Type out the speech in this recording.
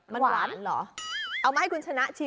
มันหวานเหรอเอามาให้คุณชนะชิม